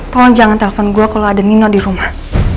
tolong jangan telpon gue kalau ada nino di rumah